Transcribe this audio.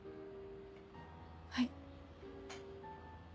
はい。